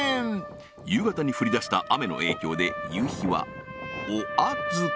夕方に降り出した雨の影響で夕日はお預け